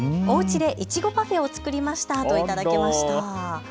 おうちでいちごパフェを作りましたと頂きました。